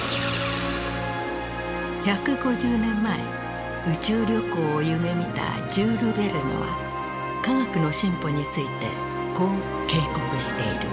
１５０年前宇宙旅行を夢みたジュール・ヴェルヌは科学の進歩についてこう警告している。